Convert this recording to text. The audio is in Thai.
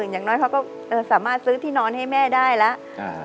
อย่างน้อยเขาก็สามารถซื้อที่นอนให้แม่ได้แล้ว